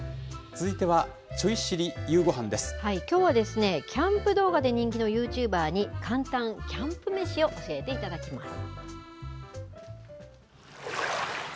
続いては、きょうはキャンプ動画で人気のユーチューバーに、簡単キャンプ飯を教えていただきます。